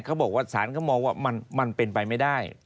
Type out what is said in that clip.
เขาบอกว่าสารเขามองว่ามันเป็นไปไม่ได้